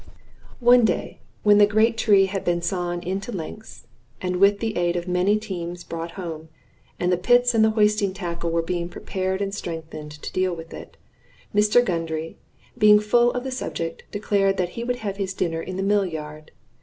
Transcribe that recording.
One day, when the great tree had been sawn into lengths, and with the aid of many teams brought home, and the pits and the hoisting tackle were being prepared and strengthened to deal with it, Mr. Gundry, being full of the subject, declared that he would have his dinner in the mill yard.